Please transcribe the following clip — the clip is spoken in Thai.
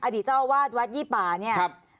อดีตเจ้าวาดวัดยี่ปาเนี้ยครับ